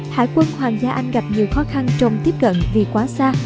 hải quân hoàng gia anh gặp nhiều khó khăn trong tiếp cận vì quá xa